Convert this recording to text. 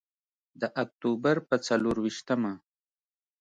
د اکتوبر په څلور ویشتمه.